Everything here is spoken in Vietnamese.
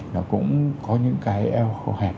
nó cũng có những cái eo hẹp